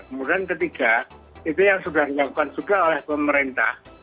kemudian ketiga itu yang sudah dilakukan juga oleh pemerintah